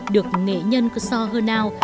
được nghệ nhân cơ so hơn ao